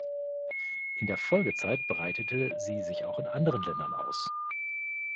In der Folgezeit breitete sie sich auch in anderen Ländern aus.